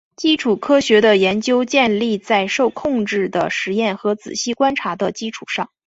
基础科学的研究建立在受控制的实验和仔细观察的基础上。